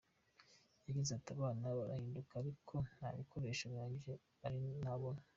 Yagize ati “Abana barabikunda ariko nta bikoresho bihagije nari nabona.